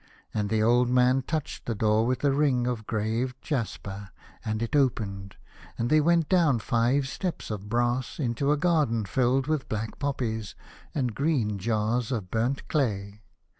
And the old man touched the door with a ring of graved jasper and it opened, and they went down five steps of brass into a garden filled with black poppies and green jars of burnt clay.